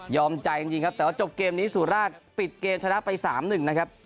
ใจจริงครับแต่ว่าจบเกมนี้สุราชปิดเกมชนะไป๓๑นะครับ